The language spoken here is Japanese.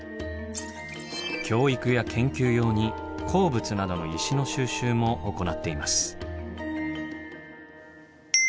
教育や研究用に鉱物などの石の収集も行っています。